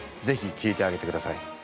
ぜひ聞いてあげてください。